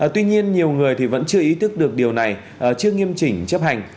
tuy nhiên nhiều người vẫn chưa ý thức được điều này chưa nghiêm chỉnh chấp hành